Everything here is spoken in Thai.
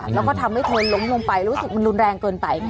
แล้วก็ทำให้เธอล้มลงไปรู้สึกมันรุนแรงเกินไป